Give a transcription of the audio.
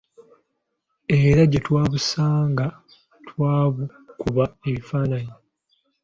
Era gye twabusanga twabukuba ebifaananyi.